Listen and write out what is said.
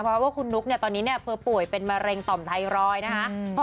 เพราะว่าคุณนุ๊กเนี่ยตอนนี้เธอป่วยเป็นมะเร็งต่อมไทรอยด์นะคะ